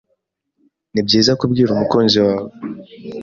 Ni byiza kubwira umukunzi wawe